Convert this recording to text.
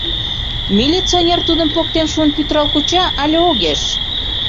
Милиционер тудым поктен шуын пӱтырал куча але огеш?